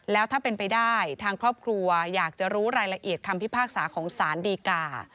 แล้วถ้าเป็นไปได้ทางครอบครัวอยากจะรู้รายละเอียดคำพิพากษาของสารดีกา